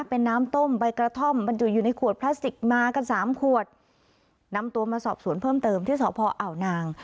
เป็นน้ำต้มใบกระท่อมบรรจุอยู่ในขวดพลาสติกมากันสามขวดนำตัวมาสอบสวนเพิ่มเติมที่สพอ่าวนาง